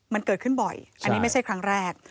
มันเกิดขึ้นบ่อยอันนี้ไม่ใช่ครั้งแรก